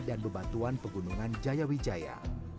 dan bebatuan pegunungan jaya wijaya